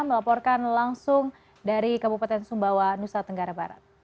melaporkan langsung dari kabupaten sumbawa nusa tenggara barat